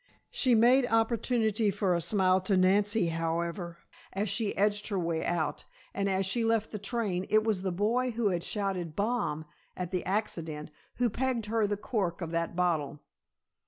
She made opportunity for a smile to Nancy, however, as she edged her way out, and as she left the train it was the boy who had shouted "bomb" at the accident who pegged her the cork of that bottle.